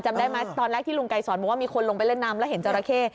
จำได้ไหมตอนแรกที่ลุงไกรสอนบอกว่ามีคนลงไปเล่นน้ำแล้วเห็นจราเข้